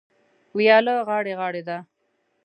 وياله غاړې غاړې ده.